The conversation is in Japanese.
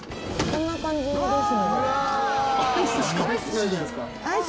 こんな感じで。